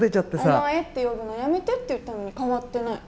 お前って呼ぶのやめてって言ったのに変わってない。